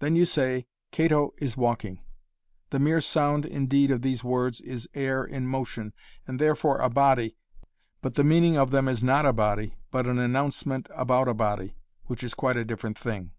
Then you say, 'Cato is walking'." The mere sound indeed of these words is air in motion and therefore a body but the meaning of them is not a body but an enouncement about a body, which is quite a different thing.